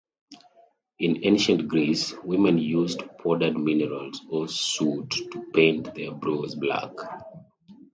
In Ancient Greece, women used powdered minerals or soot to paint their brows black.